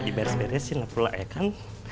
diberesin lah pula ya kan